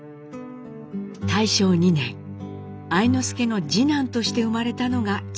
大正２年愛之助の次男として生まれたのが親男。